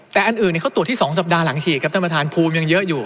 แต่อันอื่นเขาตรวจที่๒สัปดาห์หลังฉีดครับท่านประธานภูมิยังเยอะอยู่